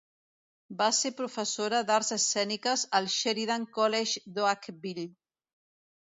Va ser professora d'arts escèniques al Sheridan College d'Oakville.